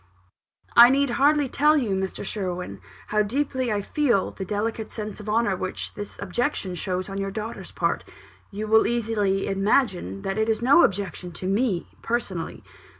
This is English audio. "I need hardly tell you, Mr. Sherwin, how deeply I feel the delicate sense of honour which this objection shows on your daughter's part. You will easily imagine that it is no objection to me, personally.